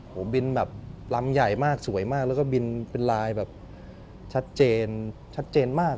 ผมบินแบบลำใหญ่มากสวยมากแล้วก็บินเป็นลายแบบชัดเจนชัดเจนมาก